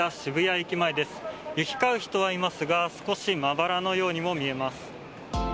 行きかう人はいますが、少しまばらのようにも見えます。